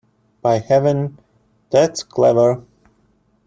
By Heaven, that's clever!